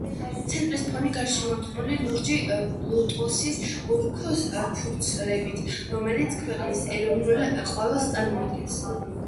ცენტრის ფონი გარშემორტყმულია ლურჯი ლოტოსის ოქროს ფურცლებით, რომელიც ქვეყნის ეროვნულ ყვავილს წარმოადგენს.